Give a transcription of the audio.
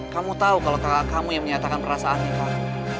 kamu tau kalo kakak kamu yang menyatakan perasaan nikah